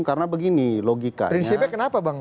karena begini logikanya